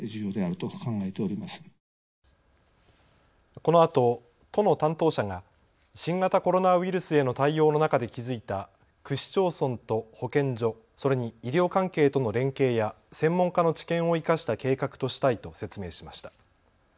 このあと、都の担当者が新型コロナウイルスへの対応の中で築いた区市町村と保健所、それに医療関係との連携や専門家の知見を生かした計画としたいと説明しました。